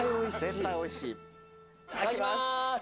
いただきます。